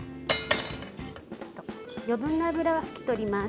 余分な油は拭き取ります